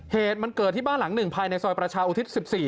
เหตุมันเกิดที่บ้านหลังหนึ่งภายในซอยประชาอุทิศ๑๔